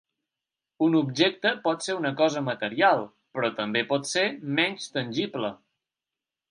Un objecte pot ser una cosa material, però també pot ser menys tangible.